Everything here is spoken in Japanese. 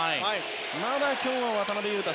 まだ今日は渡邊雄太